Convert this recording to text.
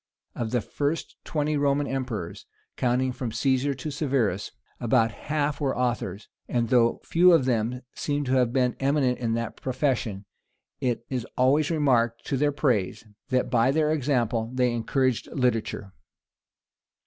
Of the first twenty Roman emperors, counting from Caesar to Severus, above the half were authors; and though few of them seem to have been eminent in that profession, it is always remarked to their praise, that by their example they encouraged literature.